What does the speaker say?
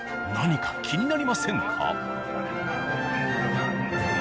何か気になりませんか？